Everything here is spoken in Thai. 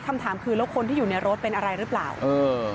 คำถามคือแล้วคนที่อยู่ในรถเป็นอะไรหรือเปล่าเออ